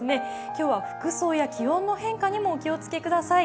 今日は服装や気温の変化にもお気をつけください。